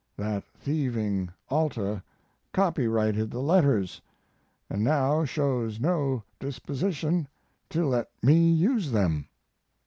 That thieving Alta copyrighted the letters, and now shows no disposition to let me use them.